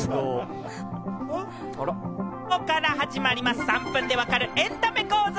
きょうから始まります、３分で分かるエンタメ講座。